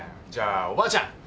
じゃあおばあちゃん。